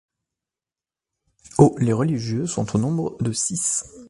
Au les religieux sont au nombre de six.